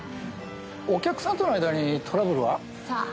お客さんとの間にトラブルは？さあ。